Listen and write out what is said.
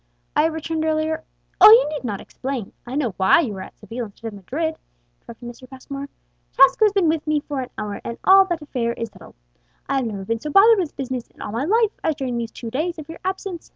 "I have returned earlier " "Oh, you need not explain; I know why you are at Seville instead of Madrid," interrupted Mr. Passmore. "Tasco has been with me for an hour, and all that affair is settled. I have never been so bothered with business in all my life as during these two days of your absence.